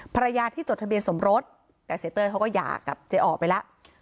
ภรรยาที่จดทะเบียนสมรสแต่เศรษฐ์เตยเขาก็หยากจะออกไปแล้ว